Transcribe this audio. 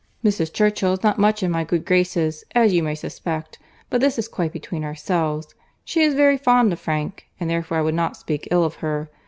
"Mrs. Churchill is not much in my good graces, as you may suspect—but this is quite between ourselves. She is very fond of Frank, and therefore I would not speak ill of her.